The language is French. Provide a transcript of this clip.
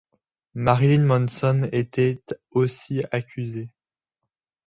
Marilyn Manson était aussi accusé.